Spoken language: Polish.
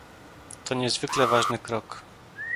To niezwykle ważny krok